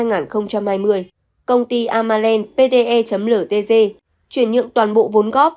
ngày năm bốn hai nghìn hai mươi công ty amalen pte ltg chuyển nhượng toàn bộ vốn góp